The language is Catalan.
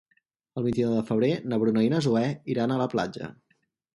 El vint-i-nou de febrer na Bruna i na Zoè iran a la platja.